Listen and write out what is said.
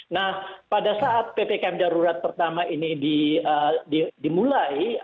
nah pada saat ppkm darurat pertama ini dimulai